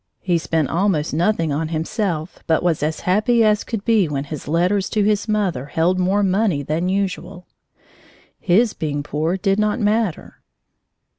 He spent almost nothing on himself, but was as happy as could be when his letters to his mother held more money than usual. His being poor did not matter.